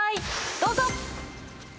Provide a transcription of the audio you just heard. どうぞ！